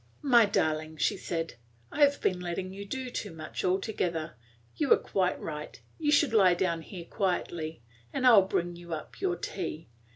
"My darling," she said, "I have been letting you do too much altogether. You are quite right; you should lie down here quietly, and I 'll bring you up your tea.